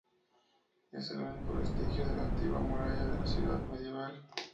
Es el único vestigio de la antigua muralla de la ciudad medieval.